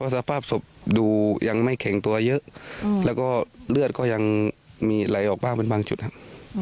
สภาพศพดูยังไม่แข็งตัวเยอะแล้วก็เลือดก็ยังมีไหลออกบ้างเป็นบางจุดครับ